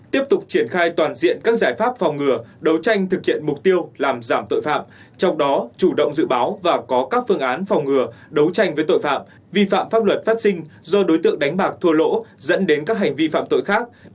tiếp tục triển khai toàn diện các giải pháp phòng ngừa đấu tranh thực hiện mục tiêu làm giảm tội phạm trong đó chủ động dự báo và có các phương án phòng ngừa đấu tranh với tội phạm vi phạm pháp luật phát sinh do đối tượng đánh bạc thua lỗ dẫn đến các hành vi phạm tội khác